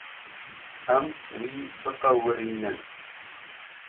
Em wî biqewirînin.